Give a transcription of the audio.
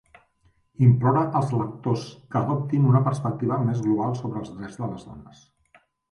Implora als lectors que adoptin una perspectiva més global sobre els drets de les dones.